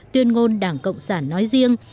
tuyên ngôn đảng cộng sản nói riêng